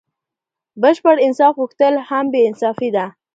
بشپړ انصاف غوښتل هم بې انصافي دئ.